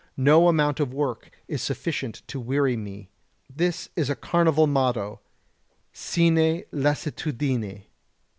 No amount of work is sufficient to weary me. This is a carnival motto: "Sine lassitudine."